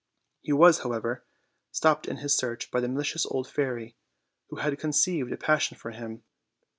He was, however, stopped in his search by the malicious old fairy, who had conceived a passion for him.